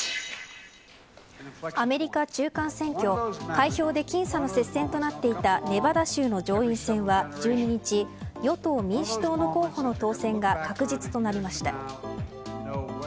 アメリカ中間選挙開票で僅差の接戦となっていたネバダ州の上院選は、１２日与党・民主党の候補の当選が確実となりました。